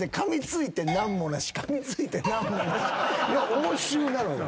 応酬なのよ。